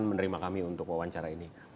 menerima kami untuk wawancara ini